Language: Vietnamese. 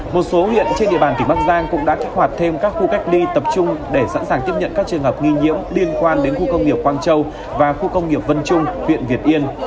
một số huyện trên địa bàn tỉnh bắc giang cũng đã kích hoạt thêm các khu cách ly tập trung để sẵn sàng tiếp nhận các trường hợp nghi nhiễm liên quan đến khu công nghiệp quang châu và khu công nghiệp vân trung huyện việt yên